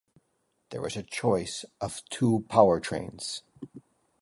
There was a choice of two powertrains.